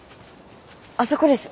あそこです。